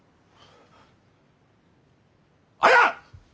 綾！